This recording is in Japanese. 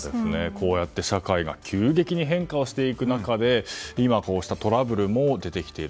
こうやって社会が急激に変化がしていく中で今、こうしたトラブルも出てきている。